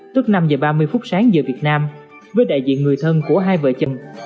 tức năm h ba mươi phút sáng giờ việt nam với đại diện người thân của hai vợ chồng